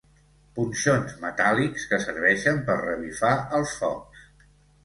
Punxons metàl·lics que serveixen per revifar els focs.